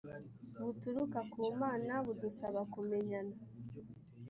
buturuka ku mana budusaba kumenyana